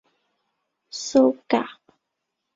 在九维空间中的多胞形都被称为八维多胞形。